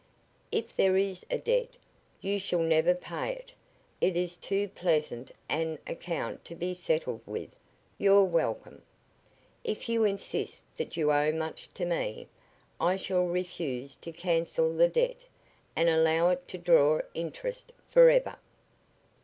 If there is a debt, you shall never pay it; it is too pleasant an account to be settled with 'you're welcome.' If you insist that you owe much to me, I shall refuse to cancel the debt, and allow it to draw interest forever."